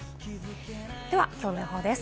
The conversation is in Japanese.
ではきょうの予報です。